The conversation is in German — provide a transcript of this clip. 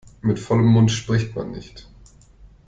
Mit vollem Mund spricht man nicht.